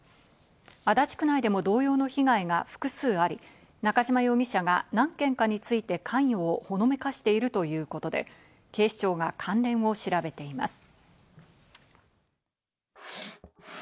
足立区内でも同様の被害が複数あり、中島容疑者が何件かについて関与をほのめかしているということで警視庁が関連を調べています。